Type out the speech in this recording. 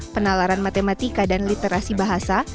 penalaran matematika dan literasi bahasa